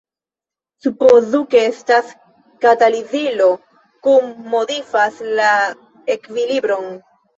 Supozu ke estas katalizilo kiu modifas la ekvilibron.